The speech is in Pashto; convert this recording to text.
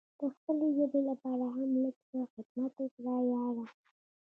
د خپلې ژبې لپاره هم لږ څه خدمت وکړه یاره!